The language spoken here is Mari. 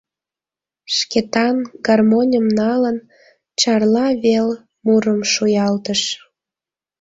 Шкетан, гармоньым налын, чарла вел мурым шуялтыш.